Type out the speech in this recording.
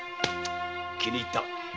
気に入った。